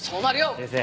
先生